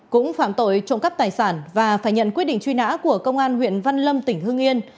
cũng phạm tội trộm cắp tài sản và phải nhận quyết định truy nã của công an huyện văn lâm tỉnh hương yên